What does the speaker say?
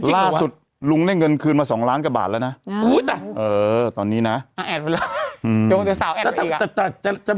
ล่าสุดลุงได้เงินคืนมา๒ล้านกว่าบาทแล้วนะ